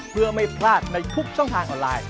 เพื่อไม่พลาดในทุกช่องทางออนไลน์